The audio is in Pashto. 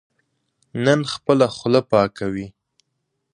نن خپله خوله پاکوي.